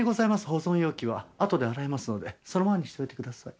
保存容器はあとで洗いますのでそのままにしといてください。